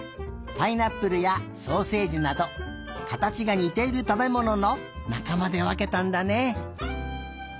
パイナップルやソーセージなどかたちがにているたべもののなかまでわけたんだね。